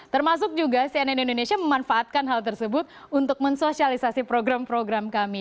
termasuk juga cnn indonesia memanfaatkan hal tersebut untuk mensosialisasi program program kami